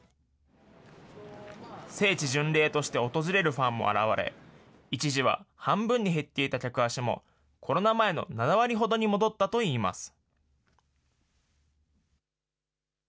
聖地巡礼として訪れるファンも現れ、一時は半分に減っていた客足も、コロナ前の７割ほどに戻ったといいます。